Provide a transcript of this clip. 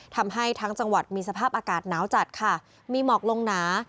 ทำให้ทั้งจังหวัดมีสภาพอากาศหนาวจัดค่ะมีหมอกลงหนา